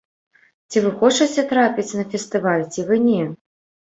Ці вы хочаце трапіць на фестываль, ці вы не?